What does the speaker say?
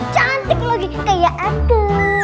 cantik lagi kayak aku